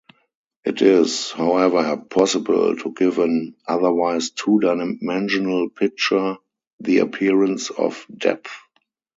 It is, however, possible to give an otherwise two-dimensional picture the appearance of depth.